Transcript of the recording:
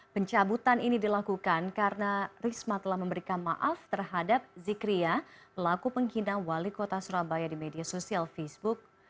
pencabutan ini dilakukan karena risma telah memberikan maaf terhadap zikria pelaku pengkhina wali kota surabaya di media sosial facebook